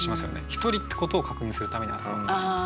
一人ってことを確認するために集まってる。